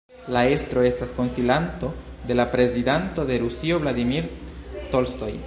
La estro estas konsilanto de la Prezidanto de Rusio Vladimir Tolstoj.